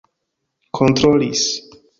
kontrolis